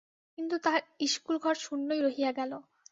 কিন্তু তাহার ইস্কুলঘর শূন্যই রহিয়া গেল।